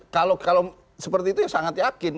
kalau seperti itu ya sangat yakin